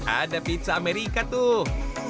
ada pizza amerika tuh